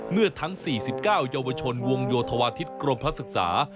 เมื่อทั้ง๔๙เยาวชนวงโยธวาทิศกรมพระศึกษา